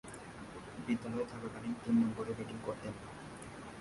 বিদ্যালয়ে থাকাকালীন তিন নম্বরে ব্যাটিং করতেন।